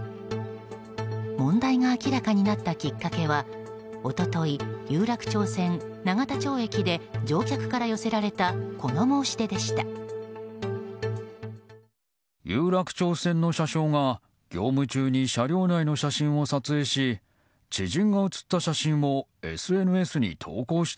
問題が明らかになったきっかけは一昨日有楽町線永田町駅で乗客から寄せられたこの申し出でした。